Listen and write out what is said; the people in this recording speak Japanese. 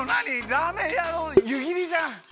ラーメンやのゆぎりじゃん。